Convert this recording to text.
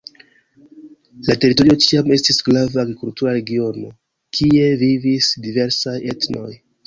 La teritorio ĉiam estis grava agrikultura regiono, kie vivis diversaj etnoj.